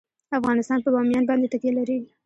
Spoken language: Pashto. افغانستان په بامیان باندې تکیه لري.